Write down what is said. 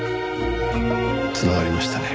繋がりましたね。